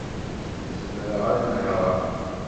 Zemreɣ ad nehṛeɣ.